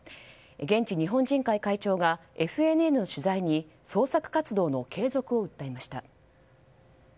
現地日本人会会長がＦＮＮの取材に捜索活動の継続を訴えました。